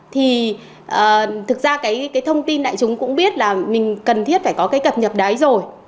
thì thực ra cái thông tin đại chúng cũng biết là mình cần thiết phải có cái cập nhật đấy rồi